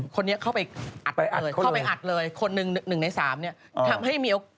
คนนี้เข้าไปอัดเลยคนหนึ่งใน๓นี่ทำให้มีไปอัดเถอะ